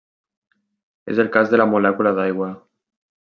És el cas de la molècula d'aigua.